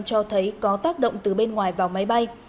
cho thấy có tác động từ bên ngoài vào máy bay